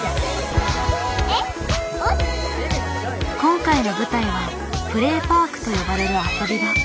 今回の舞台は「プレーパーク」と呼ばれる遊び場。